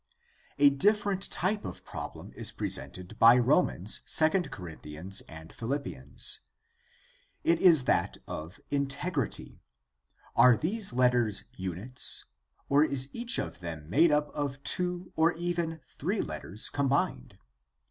— ^A different type of problem is presented by Romans, II Corinthians, and Philippians. It is that of integrity: are these letters units, or is each of them made up of two or even three letters combined?